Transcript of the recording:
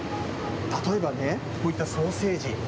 例えばね、こういったソーセージ。